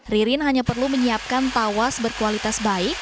ririn hanya perlu menyiapkan tawas berkualitas baik